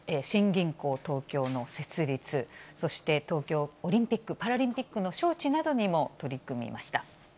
新銀行東京の設立、そして東京オリンピック・パラリンピックの招致などにも取り組みました。